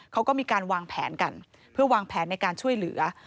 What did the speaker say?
เขาก็มีการวางแผนกันเพื่อวางแผนในการช่วยเหลือ